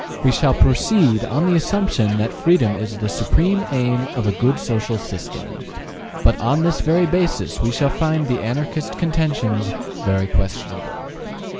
We shall proceed on the assumption that freedom is the supreme aim of a good social system; but on this very basis we shall find the Anarchist contentions very questionable.